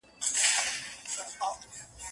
خپل پیر مي جام په لاس پر زنګانه یې کتاب ایښی